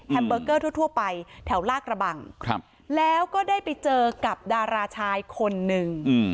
เบอร์เกอร์ทั่วไปแถวลากระบังแล้วก็ได้ไปเจอกับดาราชายคนนึง